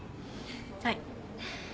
はい。